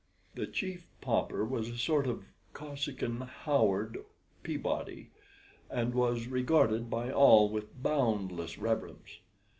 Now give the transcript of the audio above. The Chief Pauper was a sort of Kosekin Howard or Peabody, and was regarded by all with boundless reverence.